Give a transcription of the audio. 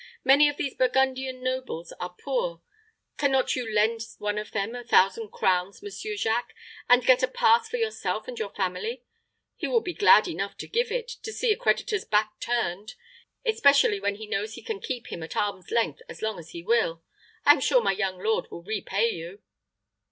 Many of these Burgundian nobles are poor. Can not you lend one of them a thousand crowns, Monsieur Jacques, and get a pass for yourself and your family. He will be glad enough to give it, to see a creditor's back turned, especially when he knows he can keep him at arm's length as long as he will. I am sure my young lord will repay you."